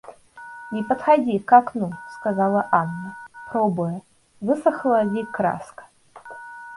Не подходи к окну, — сказала Анна, пробуя, высохла ли краска.